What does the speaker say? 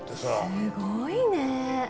すごいね！